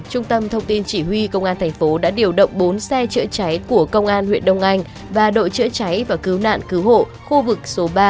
trung tâm thông tin chỉ huy công an thành phố đã điều động bốn xe chữa cháy của công an huyện đông anh và đội chữa cháy và cứu nạn cứu hộ khu vực số ba